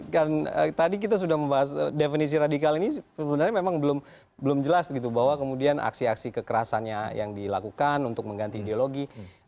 karena tadi kita sudah membahas definisi radikal ini sebenarnya memang belum jelas gitu bahwa kemudian aksi aksi kekerasannya yang dilakukan untuk mengganti ideologi